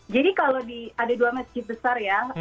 jadi kalau ada dua masjid besar ya